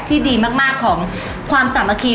ดีมากของความสามัคคี